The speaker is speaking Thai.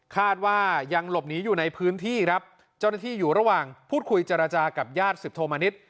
คาดว่ายังหลบหนีอยู่ในพื้นที่ครับเจ้าหน้าที่อยู่ระหว่างพูดคุยเจรจากับญาติสิบโทมณิษฐ์